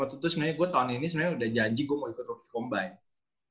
waktu itu sebenarnya gue tahun ini sebenarnya udah janji gue mau ikut rookie combine